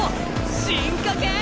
進化系！